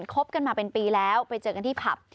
คบกันมาเป็นปีแล้วไปเจอกันที่ผับ